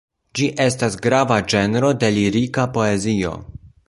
Ĝi estas grava ĝenro de lirika poezio.